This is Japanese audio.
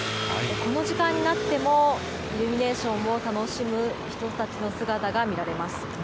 この時間になっても、イルミネーションを楽しむ人たちの姿が見られます。